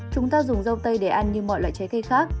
chúng ta dùng dâu tây để ăn như mọi loại trái cây khác